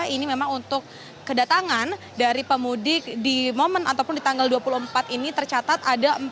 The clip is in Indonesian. ini memang untuk kedatangan dari pemudik di momen ataupun di tanggal dua puluh empat ini tercatat ada empat puluh